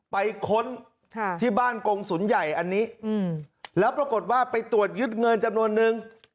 ค้นที่บ้านกงศูนย์ใหญ่อันนี้แล้วปรากฏว่าไปตรวจยึดเงินจำนวนนึง